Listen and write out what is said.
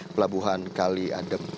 pelabuhan kali adem